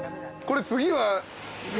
これ次は？